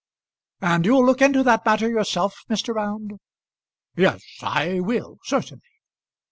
"And you'll look into that matter yourself, Mr. Round?" "Yes, I will, certainly."